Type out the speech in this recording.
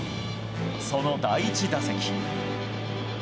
その第１打席。